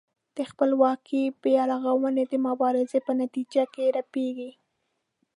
د خپلواکۍ بېرغونه د مبارزې په نتیجه کې رپېږي.